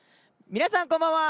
皆さん、こんばんは！